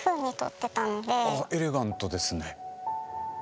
あっエレガントですね。